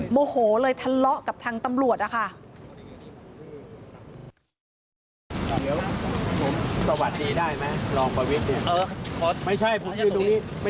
โมโหเลยทะเลาะกับทางตำรวจนะคะ